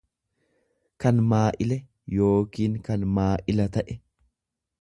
kan maa'ile yookiin kan maa'ila ta'e.